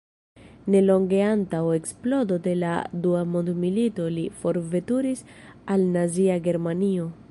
Nelonge antaŭ eksplodo de la Dua mondmilito li forveturis al Nazia Germanio.